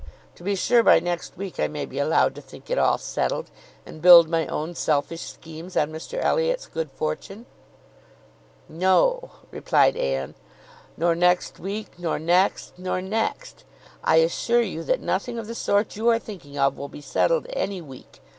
To be sure by next week I may be allowed to think it all settled, and build my own selfish schemes on Mr Elliot's good fortune." "No," replied Anne, "nor next week, nor next, nor next. I assure you that nothing of the sort you are thinking of will be settled any week.